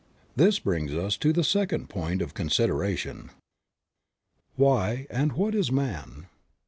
This brings us to the second point of consideration. Creative Mind. WHY, AND WHAT IS MAN?